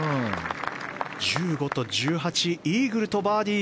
１５と１８イーグルとバーディー。